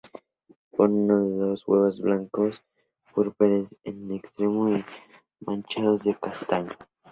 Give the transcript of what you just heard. Pone uno o dos huevos blancos, purpúreos en un extremo y manchados de castaño.